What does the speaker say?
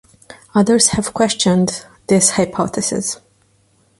Others have questioned this hypothesis.